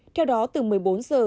theo đó từ một mươi bốn h